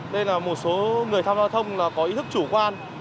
đây là một số người tham gia giao thông có ý thức chủ quan